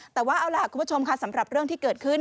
แต่ว่าเอาล่ะคุณผู้ชมค่ะสำหรับเรื่องที่เกิดขึ้น